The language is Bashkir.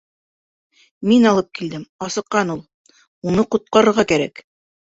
— Мин алып килдем, асыҡҡан ул. Уны ҡотҡарырға кәрәк.